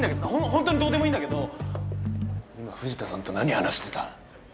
ホントにどうでもいいんだけど今藤田さんと何話してた？